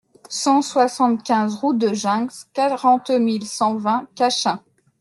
cent soixante-quinze route de Ginx, quarante mille cent vingt Cachen